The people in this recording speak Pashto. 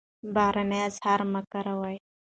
بهرني اسعار مه کاروئ.